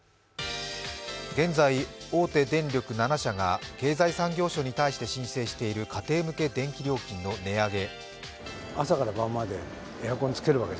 現在、大手電力７社が経済産業省に対して申請している家庭向け電気料金の値上げ。